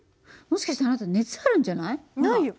もしかしてあなた熱あるんじゃない？ないよ。